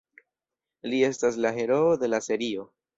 Li estas la heroo de la serio.